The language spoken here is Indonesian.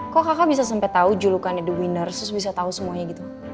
kok kakak bisa sampai tau julukannya the winners terus bisa tau semuanya gitu